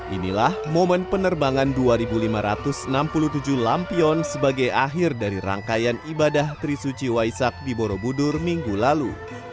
inilah momen penerbangan dua lima ratus enam puluh tujuh lampion sebagai akhir dari rangkaian ibadah trisuci waisak di borobudur minggu lalu